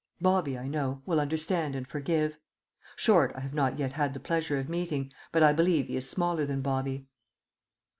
Bobby, I know, will understand and forgive; Short I have not yet had the pleasure of meeting, but I believe he is smaller than Bobby.